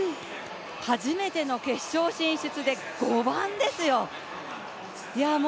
初めての決勝進出で５番ですよ。